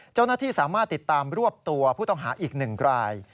เจ้าหน้าที่สามารถติดตามรวบตัวผู้ต้องหาอีก๑ราย